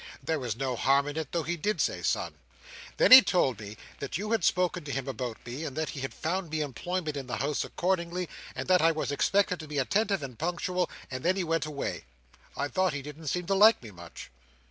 There was no harm in it though he did say son. Then he told me that you had spoken to him about me, and that he had found me employment in the House accordingly, and that I was expected to be attentive and punctual, and then he went away. I thought he didn't seem to like me much."